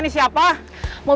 tete aku mau